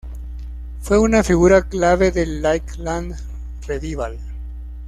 Fue una figura clave del Lakeland Revival.